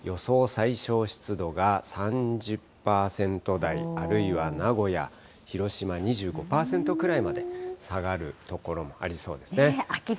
最小湿度が３０％台、あるいは名古屋、広島２５％くらいまで下がる所もありそうですね。